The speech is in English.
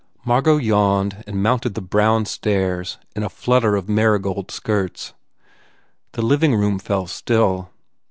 Margot yawned and mounted the brown stairs in a flutter of marigold skirts. The living room fell still.